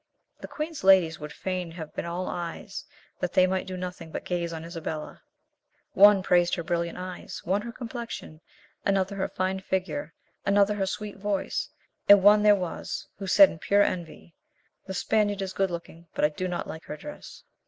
The queen's ladies would fain have been all eyes, that they might do nothing but gaze on Isabella; one praised her brilliant eyes, one her complexion, another her fine figure, another her sweet voice; and one there was who said in pure envy, "The Spaniard is good looking, but I do not like her dress."